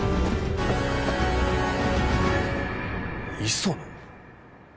磯野！？